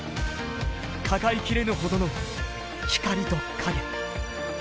抱えきれぬほどの光と影。